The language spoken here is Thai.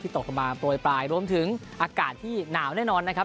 ตกลงมาโปรยปลายรวมถึงอากาศที่หนาวแน่นอนนะครับ